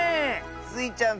スイちゃん